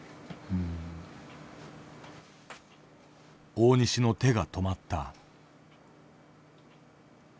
大西の手が止まった。